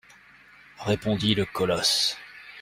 Répondit le colosse.